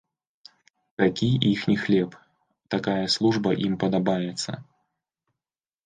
Такі іхні хлеб, такая служба ім падабаецца.